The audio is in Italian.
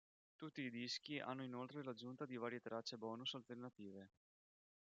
Tutti i dischi hanno inoltre l'aggiunta di varie tracce bonus alternative.